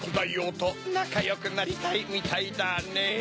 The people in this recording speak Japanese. となかよくなりたいみたいだねぇ。